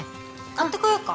買ってこようか？